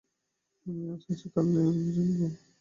আমি আজ আছি কাল নাই, আপনি আমার জন্যে কেন যাইবেন।